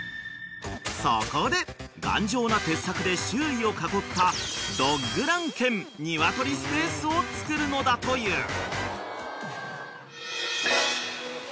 ［そこで頑丈な鉄柵で周囲を囲ったドッグラン兼ニワトリスペースを作るのだという］